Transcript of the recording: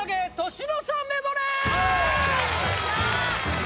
年の差メドレー